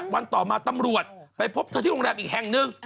วันต่อมาตำรวจไปพบเธอที่โรงแรมอีกแห่งหนึ่ง